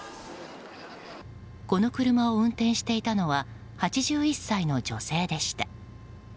この車を運転していたのは８１歳の女性でした。